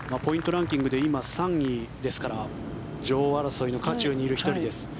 ランキングで今、３位ですから女王争いの渦中にいる１人です。